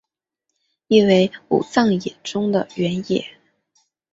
意为武藏野中的原野。